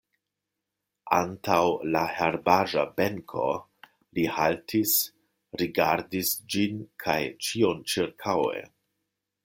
Antaŭ la herbaĵa benko li haltis, rigardis ĝin kaj ĉion ĉirkaŭe.